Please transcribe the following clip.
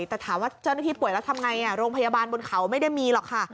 แต่ถามว่าเจ้าหน้าที่ป่วยแล้วทำไงโรงพยาบาลบนเขาไม่ได้มีหรอกค่ะ